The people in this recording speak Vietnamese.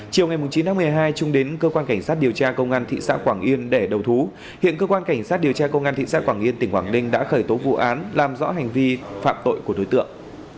chiều ngày chín tháng một mươi hai trung đến cơ quan cảnh sát điều tra công an thị xã quảng yên để đầu thú hiện cơ quan cảnh sát điều tra công an thị xã quảng yên tỉnh quảng ninh đã khởi tố vụ án làm rõ hành vi phạm tội của đối tượng